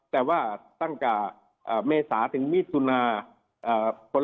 แต่ว่าตั้งแต่เมษาถึงมิถุนา